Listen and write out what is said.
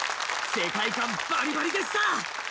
世界観バリバリでした！